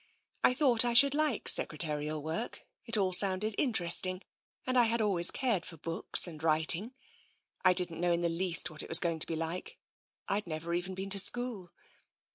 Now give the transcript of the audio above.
I thought I should like secretarial work; it all sounded interest ing, and I had always cared for books and writing. I didn't know in the least what it was going to be like. I'd never even been to school.